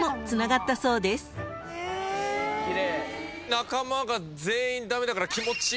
仲間が全員駄目だから。